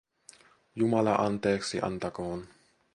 Jumala anteeksi antakoon.